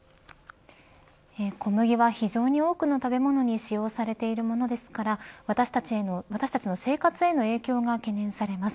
小麦は非常に多くの食べ物に使用されているものですから私たちの生活への影響が懸念されます。